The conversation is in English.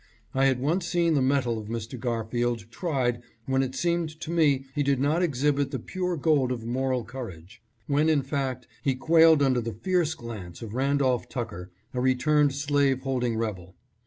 I had once seen the mettle of Mr. Gar field tried when it seemed to me he did not exhibit the pure gold of moral courage ; when, in fact, he quailed under the fierce glance of Randolph Tucker, a returned slave holding rebel.